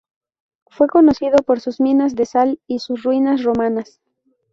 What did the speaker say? Fue conocido por sus minas de sal y sus ruinas romanas.